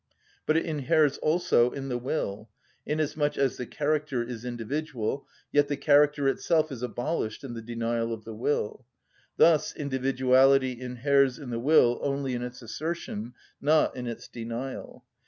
But it inheres also in the will, inasmuch as the character is individual: yet the character itself is abolished in the denial of the will. Thus individuality inheres in the will only in its assertion, not in its denial.